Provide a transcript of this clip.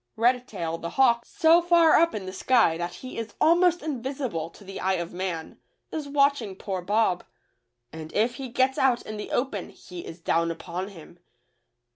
Redtail, the hawk, so far up in the sky that he is almost invisible to the eye of man, is watch ing poor Bob, and if he gets out in the open he is down upon him.